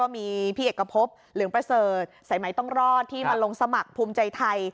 มีพี่เอกพบเหลืองประเสริฐสายไหมต้องรอดที่มาลงสมัครภูมิใจไทย